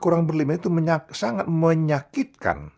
kurang berlima itu sangat menyakitkan